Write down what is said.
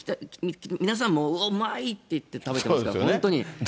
皆さん、おお、うまいって言って食べてますから、本当に。